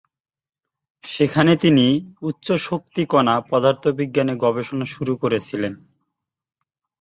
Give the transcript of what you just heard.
সেখানে তিনি উচ্চ-শক্তি কণা পদার্থবিজ্ঞানে গবেষণা শুরু করেছিলেন।